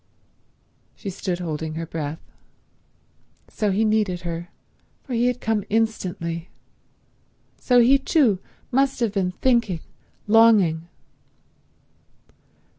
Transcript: She stood holding her breath. So he needed her, for he had come instantly. So he too must have been thinking, longing